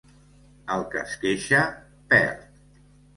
El que es queixa perd.